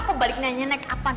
aku balik nanya naik apa